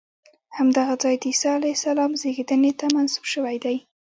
همدغه ځای د عیسی علیه السلام زېږېدنې ته منسوب شوی دی.